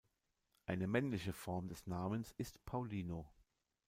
Eine männliche Form des Namens ist Paulino.